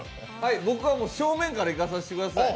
僕は正面からいかさせてください。